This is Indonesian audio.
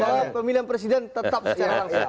bahwa pemilihan presiden tetap secara langsung